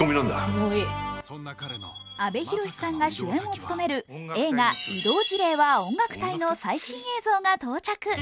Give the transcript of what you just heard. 阿部寛さんが主演を務める映画「異動辞令は音楽隊！」の最新映像が到着。